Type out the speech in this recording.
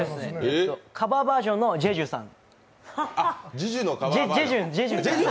カバーバージョンのジェジュンさん。